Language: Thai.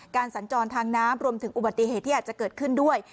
สัญจรทางน้ำรวมถึงอุบัติเหตุที่อาจจะเกิดขึ้นด้วย